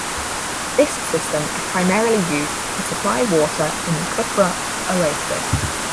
This system is primarily used to supply water in the Kufra oasis.